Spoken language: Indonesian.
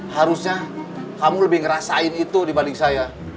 harusnya kamu lebih ngerasain itu dibalik saya